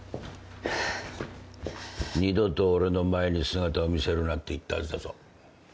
二度と俺の前に姿を見せるなって言ったはずだぞ。